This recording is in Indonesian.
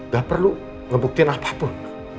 gak perlu ngebuktiin apapun